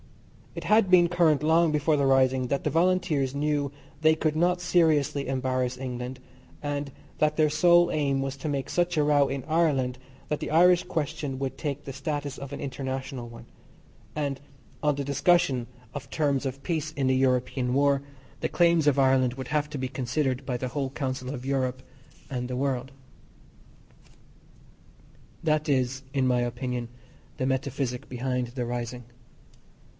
It had been current long before the rising that the Volunteers knew they could not seriously embarass England, and that their sole aim was to make such a row in Ireland that the Irish question would take the status of an international one, and on the discussion of terms of peace in the European war the claims of Ireland would have to be considered by the whole Council of Europe and the world. That is, in my opinion, the metaphysic behind the rising.